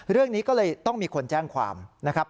เรื่องนี้ก็เลยต้องมีคนแจ้งความนะครับ